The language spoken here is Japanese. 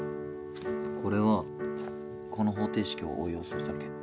これはこの方程式を応用するだけ。